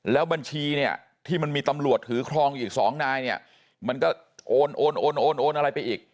แล้วบัญชีเนี่ยที่มันมีตำรวจถือครองอีก๒นายเนี่ยมันก็โอนโอนโอนโอนโอนอะไรไปอีก